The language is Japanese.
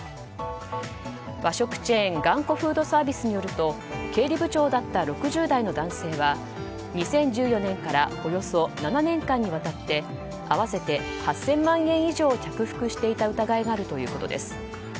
和食チェーンがんこフードサービスによると経理部長だった６０代の男性は２０１４年からおよそ７年間にわたって合わせて８０００万円以上を着服していた疑いがあるということです。